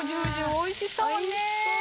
おいしそう！